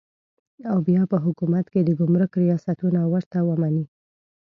او بیا په حکومت کې د ګمرک ریاستونه ورته ومني.